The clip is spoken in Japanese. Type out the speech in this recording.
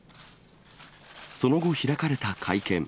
その後、開かれた会見。